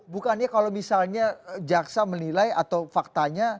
bukannya kalau misalnya jaksa menilai atau faktanya